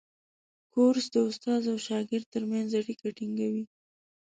کورس د استاد او شاګرد ترمنځ اړیکه ټینګوي.